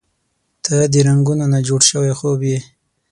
• ته د رنګونو نه جوړ شوی خوب یې.